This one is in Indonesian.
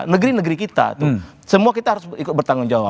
negeri negeri kita itu semua kita harus ikut bertanggung jawab